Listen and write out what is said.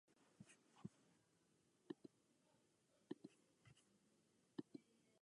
Double-enveloping wormgearing comprises enveloping worms mated with fully enveloping wormgears.